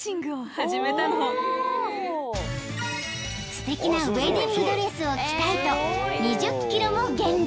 ［すてきなウエディングドレスを着たいと２０ｋｇも減量］